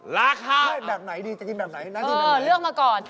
ราคาแบบไหนดิจะกินแบบไหนน้าที่ไหนเออเลือกมาก่อน